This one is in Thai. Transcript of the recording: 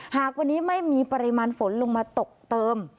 หากวันนี้ไม่มีปริมาณฝนลงมาตกเติม